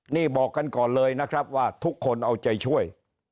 นี่บอกกันก่อนเลยนะครับว่าทุกคนเอาใจช่วย